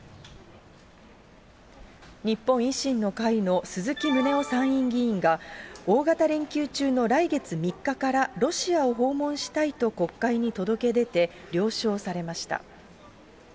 日本維新の会の鈴木宗男参院議員が、大型連休中の来月３日からロシアを訪問したいと国会に届け出て、了承されました。